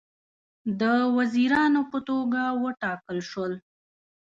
د وزیرانو په توګه وټاکل شول.